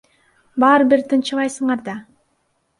Баары бир тынчыбайсыңар да.